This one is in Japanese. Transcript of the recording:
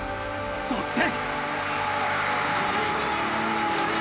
［そして］